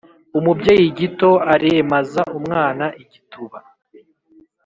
Umubyeyi gito aremaza umwana igituba.